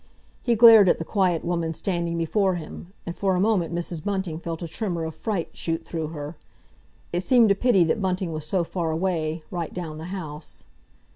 He glared at the quiet woman standing before him, and for a moment Mrs. Bunting felt a tremor of fright shoot through her. It seemed a pity that Bunting was so far away, right down the house.